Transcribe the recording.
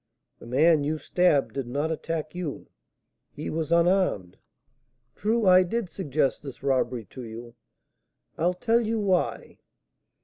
"The man you stabbed did not attack you, he was unarmed. True, I did suggest this robbery to you, I'll tell you why.